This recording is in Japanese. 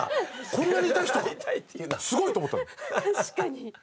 こんなに痛い人すごいと思った。